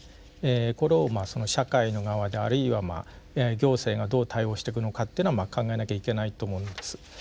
これを社会の側であるいは行政がどう対応していくのかっていうのは考えなきゃいけないと思うんです。